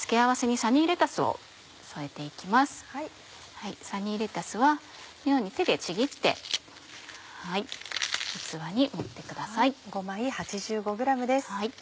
サニーレタスはこのように手でちぎって器に盛ってください。